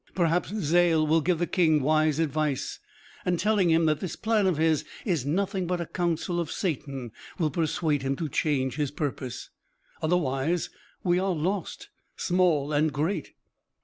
Perhaps Zal will give the King wise advice, and, telling him that this plan of his is nothing but a counsel of Satan, will persuade him to change his purpose. Otherwise we are lost, small and great."